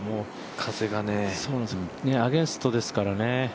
風がアゲンストですから。